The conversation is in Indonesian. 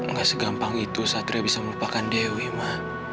nggak segampang itu satria bisa melupakan dewi mah